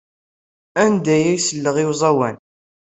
Anda ay selleɣ i uẓawan?